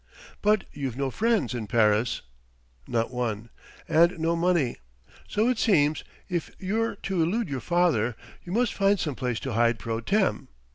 "But you've no friends in Paris ?" "Not one!" "And no money. So it seems, if you're to elude your father, you must find some place to hide pro tem.